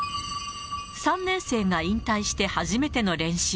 ３年生が引退して初めての練習。